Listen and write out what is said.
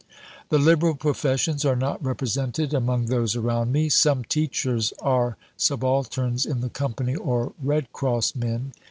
The liberal professions are not represented among those around me. Some teachers are subalterns in the company or Red Cross men.